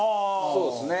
そうですね。